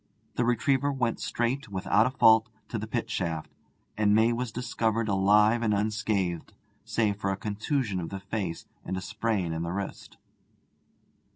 The retriever went straight, without a fault, to the pit shaft, and May was discovered alive and unscathed, save for a contusion of the face and a sprain in the wrist.